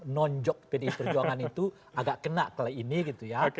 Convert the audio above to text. nonjok pdi perjuangan itu agak kena kali ini gitu ya